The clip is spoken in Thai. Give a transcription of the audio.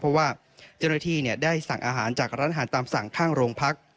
เพราะว่าเจ้าหน้าที่ได้สั่งอาหารจากร้านอาหารตามสั่งข้างโรงพัก